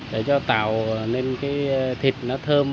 để cho tạo nên thịt nó thơm